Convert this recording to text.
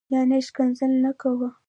یعنی شکنځل نه کوه